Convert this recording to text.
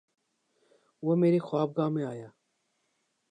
وہ میری خوابگاہ میں آیا